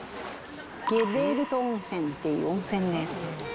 ゲッレールト温泉っていう温泉です。